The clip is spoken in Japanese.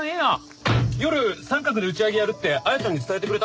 夜サンカクで打ち上げやるって彩ちゃんに伝えてくれた？